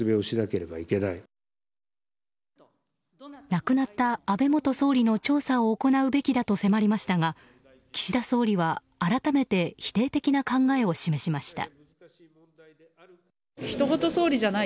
亡くなった安倍元総理の調査を行うべきだと責めましたが岸田総理は改めて否定的な考えを示しました。